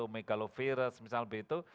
megalovirus misalnya begitu